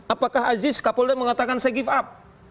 apakah aziz kapolda mengatakan saya give up